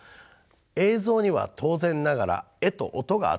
映像には当然ながら絵と音が与えられます。